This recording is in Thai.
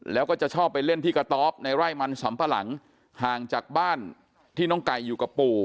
แล้วก็จะชอบไปเล่นที่กระต๊อบในไร่มันสำปะหลังห่างจากบ้านที่น้องไก่อยู่กับปู่